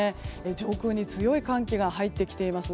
上空に強い寒気が入ってきています。